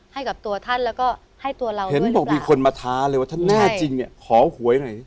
ให้กับตัวท่านแล้วก็ให้ตัวเราเห็นบอกมีคนมาท้าเลยว่าท่านแน่จริงเนี่ยขอหวยหน่อย